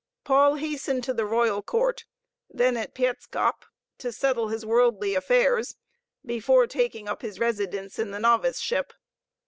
Paul hastened to the royal court, then at Pietscop, to settle his worldly affairs before taking up his residence in the noviceship.